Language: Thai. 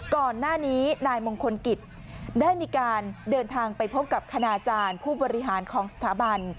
ก่อนหน้านี้นายมงคลกิจได้มีการเดินทางไปพบกับคณาจารย์ผู้บริหารของสถาบัน